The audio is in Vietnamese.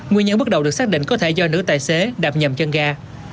nguyên nhân bước đầu được xác định có thể do nữ tài xế đạp nhầm chân ga